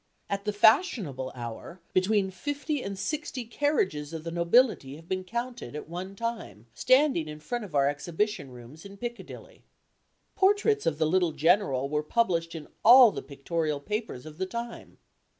At the fashionable hour, between fifty and sixty carriages of the nobility have been counted at one time standing in front of our exhibition rooms in Piccadilly. Portraits of the little General were published in all the pictorial papers of the time.